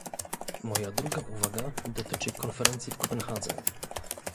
Moja druga uwaga dotyczy konferencji w Kopenhadze